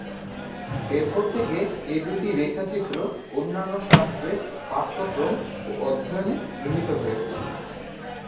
এরপর থেকে এ দুইটি রেখাচিত্র অন্যান্য শাস্ত্রের পাঠ্যক্রম ও অধ্যয়নে গৃহীত হয়েছে।